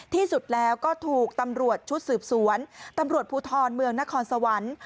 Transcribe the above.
ที่สุดแล้วก็ถูกตำรวจชุดสืบสวนตำรวจภูทรเมืองนครสวรรค์